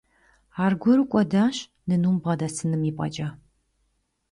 Аргуэру дэкӀащ, нынум бгъэдэсыным ипӀэкӀэ.